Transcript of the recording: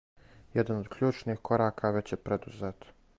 Један од кључних корака већ је предузет.